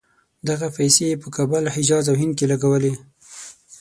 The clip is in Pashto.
دغه پیسې یې په کابل، حجاز او هند کې لګولې.